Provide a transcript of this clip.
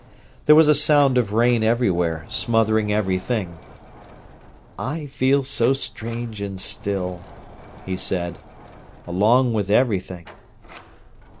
There was a sound of rain everywhere, smothering everything. "I feel so strange and still," he said; "along with everything."